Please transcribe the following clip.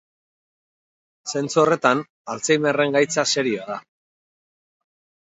Zentzu horretan, Alzheimerren gaitza serioa da.